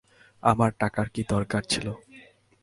আমার টাকার কী দরকার ছিল।